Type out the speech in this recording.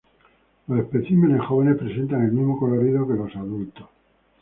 Los especímenes jóvenes presentan el mismo colorido que los adultos.